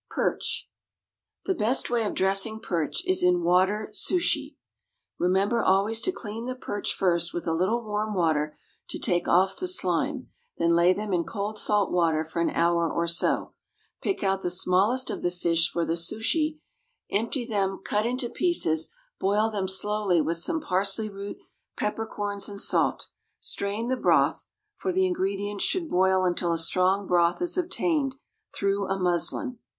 =Perch.= The best way of dressing perch is in water souchy. Remember always to clean the perch first with a little warm water to take off the slime, then lay them in cold salt water for an hour or so. Pick out the smallest of the fish for the souchy, empty them, cut into pieces, boil them slowly with some parsley root, peppercorns, and salt. Strain the broth (for the ingredients should boil until a strong broth is obtained) through a muslin.